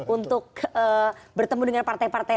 untuk bertemu dengan partai partai